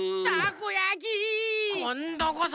こんどこそ！